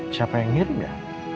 siapa yang ngirim ya